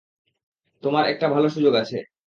তোমার একটা ভাল সুযোগ আছে!